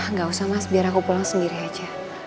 nggak usah mas biar aku pulang sendiri aja